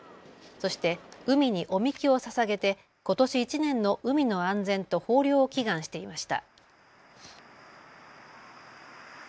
そして海にお神酒をささげてことし１年の海の安全と豊漁を祈願していました。